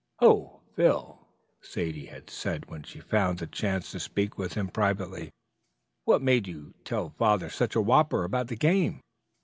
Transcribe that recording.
"Oh, Phil," Sadie had said when she found a chance to speak with him privately, "what made you tell father such a whopper about the game?